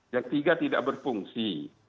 yang tiga tidak berfungsi